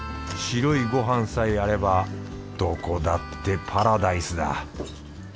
白いごはんさえあればどこだってパラダイスだ